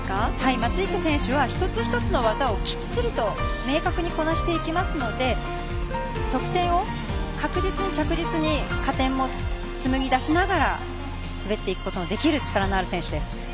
松生選手は一つ一つの技をきっちりと明確にこなしていきますので得点を確実に着実に加点をつむぎだしながら滑っていくことのできる力のある選手です。